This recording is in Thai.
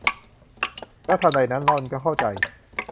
แล้วทันใดนั้นหล่อนก็เข้าใจ